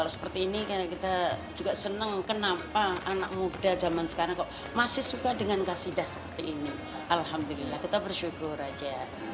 seperti ini kita juga senang kenapa anak muda zaman sekarang kok masih suka dengan kasidah seperti ini alhamdulillah kita bersyukur aja